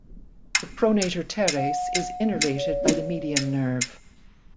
The pronator teres is innervated by the median nerve.